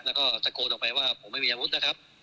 แล้วก็ตะโกนออกไปว่าผมไม่มีอาวุธนะครับ